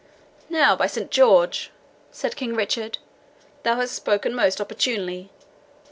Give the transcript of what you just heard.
"Now, by Saint George!" said King Richard, "thou hast spoken most opportunely.